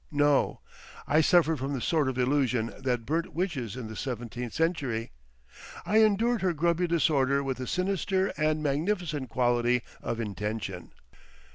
No! I suffered from the sort of illusion that burnt witches in the seventeenth century. I endued her grubby disorder with a sinister and magnificent quality of intention.